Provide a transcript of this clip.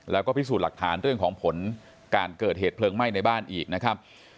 แล้วก็พิสูจน์หลักฐานเรื่องของผลการเกิดเหตุเพลิงไหม้ในบ้านอีกนะครับ